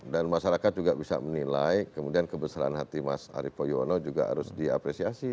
dan masyarakat juga bisa menilai kemudian kebesaran hati mas arief poyono juga harus diapresiasi